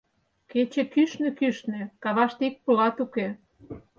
Кече кӱшнӧ-кӱшнӧ, каваште ик пылат уке.